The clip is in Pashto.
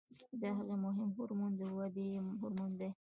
د هغې مهم هورمون د ودې هورمون دی.